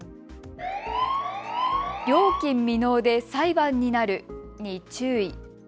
料金未納で裁判になるに注意。